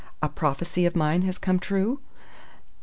A prophecy of mine has come true?"